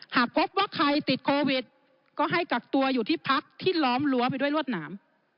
หากพบว่าใครติดโควิดก็ให้กักตัวอยู่ที่พักที่ล้อมรั้วไปด้วยรวดหนาม